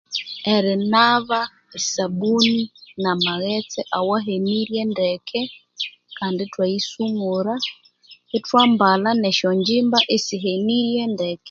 Erinaba esabuni na maghetse awahenirye ndeke kandi ithwa yisumura ithwa mbalha ne shangyimba esihenirye ndeke